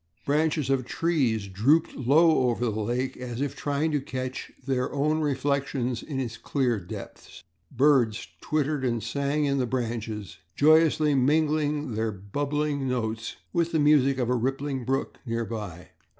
Branches of trees drooped low over the lake, as if trying to catch their own reflections in its clear depths. Birds twittered and sang in the branches, joyously mingling their bubbling notes with the music of a rippling brook near by.